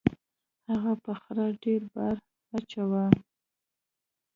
هغه په خره ډیر بار اچاوه.